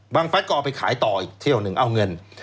ฟัดก็เอาไปขายต่ออีกเที่ยวหนึ่งเอาเงิน